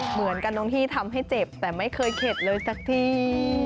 เหมือนกันตรงที่ทำให้เจ็บแต่ไม่เคยเข็ดเลยสักที